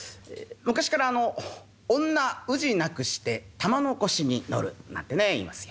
昔から「女氏なくして玉の輿に乗る」なんてね言いますよ。